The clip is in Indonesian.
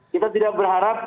kita tidak berharap